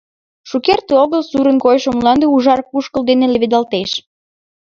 Шукерте огыл сурын койшо мланде ужар кушкыл дене леведалтеш.